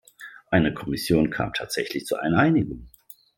Eine Kommission kam tatsächlich zu einer Einigung.